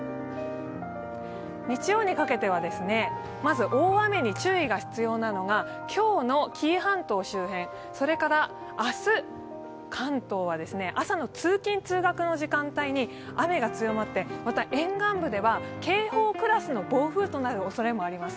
日曜にかけては、まず大雨に注意が必要なのが今日の紀伊半島周辺、それから明日、関東は朝の通勤通学の時間帯に雨が強まってまた沿岸部では警報クラスの暴風となるおそれもあります。